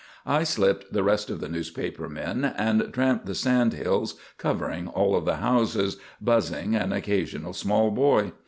I slipped the rest of the newspaper men and tramped the sandhills "covering" all the houses, "buzzing" an occasional small boy.